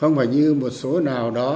không phải như một số nào đó